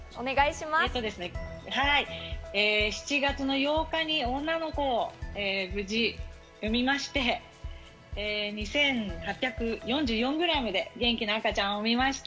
７月の８日に女の子を無事、産みまして２８４４ｇで元気な赤ちゃんを産みました。